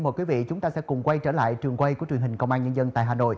của quê hương xứ quảng trên vùng đất sài thành